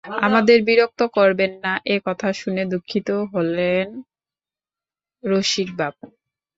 আমাদের বিরক্ত করবেন না এ কথা শুনে দুঃখিত হলেম রসিকবাবু!